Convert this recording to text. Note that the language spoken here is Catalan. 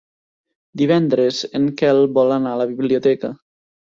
Divendres en Quel vol anar a la biblioteca.